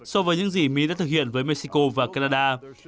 so với những gì mỹ đã thực hiện với mexico và canada